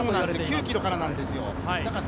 ９ｋｍからなんですよ。